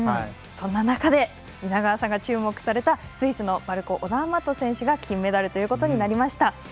そんな中で皆川さんが注目されたスイスのマルコ・オダーマット選手が金メダルとなりました。